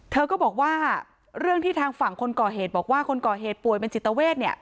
เธอก็บอกว่าเรื่องที่ทางฝั่งคนก่อเหตุบอกว่าคนก่อเหตุป่วยเป็นจิตเวทเนี่ย